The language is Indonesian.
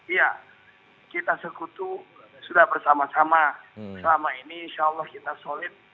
iya kita sekutu sudah bersama sama selama ini insya allah kita solid